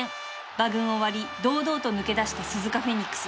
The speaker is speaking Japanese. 馬群を割り堂々と抜け出したスズカフェニックス